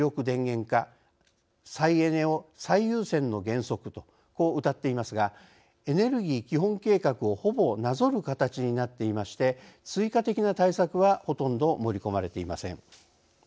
「再エネを最優先の原則」とこううたっていますがエネルギー基本計画をほぼなぞる形になっていまして追加的な対策はほとんど盛り込まれていません。